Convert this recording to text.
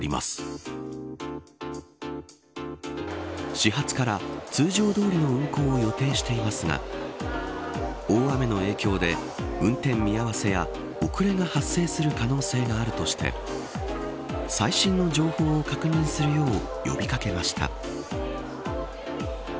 始発から通常どおりの運行を予定していますが大雨の影響で運転見合わせや遅れが発生する可能性があるとして最新の情報を確認するよう呼び掛けました。